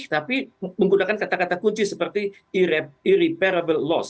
tapi menggunakan kata kata kunci seperti irreparable loss